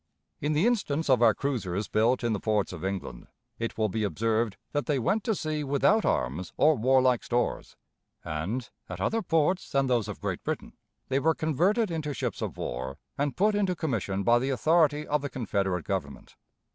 In the instance of our cruisers built in the ports of England, it will be observed that they went to sea without arms or warlike stores, and, at other ports than those of Great Britain, they were converted into ships of war and put into commission by the authority of the Confederate Government.